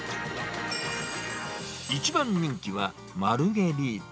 一番人気は、マルゲリータ。